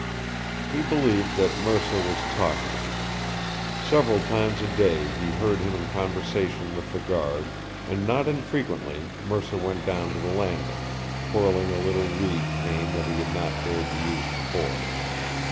He believed that Mercer was talking. Several times a day he heard him in conversation with the guard, and not infrequently Mercer went down to the Landing, twirling a little reed cane that he had not dared to use before.